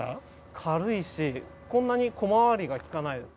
軽いしこんなに小回りが利かないです。